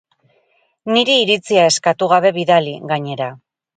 Niri iritzia eskatu gabe bidali, gainera!